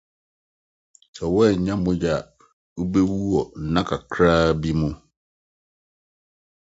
Sɛ woannye mogya a, wubewu wɔ nna kakraa bi mu.